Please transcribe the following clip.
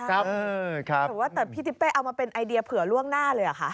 แต่ว่าแต่พี่ทิเป้เอามาเป็นไอเดียเผื่อล่วงหน้าเลยเหรอคะ